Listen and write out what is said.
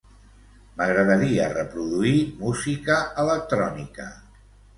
M'agradaria reproduir música electrònica.